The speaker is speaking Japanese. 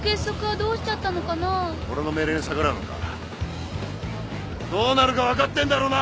どうなるか分かってんだろうな！？